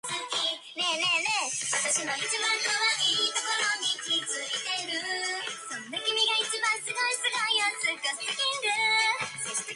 そんな君が一番すごいすごいよすごすぎる！